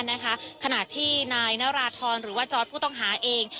ในวันอังคารหน้านะคะขณะที่นายนราธรรมหรือว่าจอสผู้ต้องหาเอง